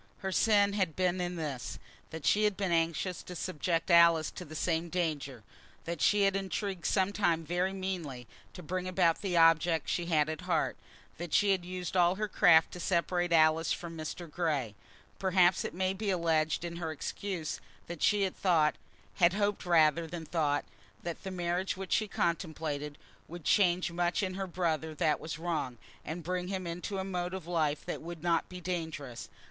Her sin had been in this, that she had been anxious to subject Alice to the same danger, that she had intrigued, sometimes very meanly, to bring about the object which she had at heart, that she had used all her craft to separate Alice from Mr. Grey. Perhaps it may be alleged in her excuse that she had thought, had hoped rather than thought, that the marriage which she contemplated would change much in her brother that was wrong, and bring him into a mode of life that would not be dangerous.